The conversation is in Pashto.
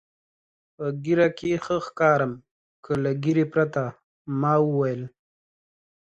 په ږیره کې ښه ښکارم که له ږیرې پرته؟ ما وویل.